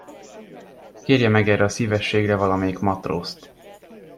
Kérje meg erre a szívességre valamelyik matrózt.